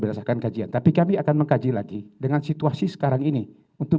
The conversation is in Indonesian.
berdasarkan kajian tapi kami akan mengkaji lagi dengan situasi sekarang ini untuk